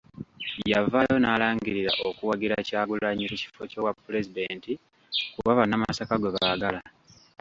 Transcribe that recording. Yavaayo n'alangirira okuwagira Kyagulanyi ku kifo ky'obwapulezidenti, kuba bannamasaka gwe baagala.